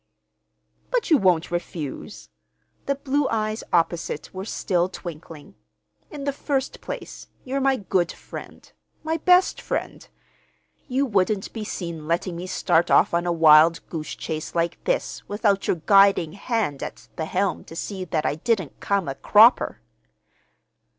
"But you won't refuse." The blue eyes opposite were still twinkling. "In the first place, you're my good friend—my best friend. You wouldn't be seen letting me start off on a wild goose chase like this without your guiding hand at the helm to see that I didn't come a cropper."